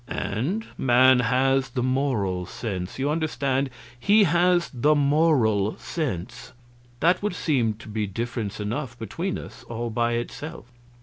And man has the Moral Sense. You understand? He has the moral Sense. That would seem to be difference enough between us, all by itself."